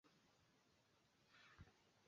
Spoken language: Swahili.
Said bin Sultani pia alijulikana kama Sayyid Said